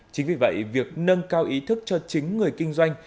chính vì vậy việc nâng cao ý thức cho chính người kinh doanh